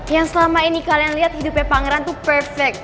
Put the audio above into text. yang selama ini kalian lihat hidupnya pangeran itu perfect